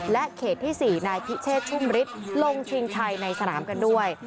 และเขตที่๔นายพิเชษชุ่มฤทธิ์ลงชิงชัยในสนามกันด้วย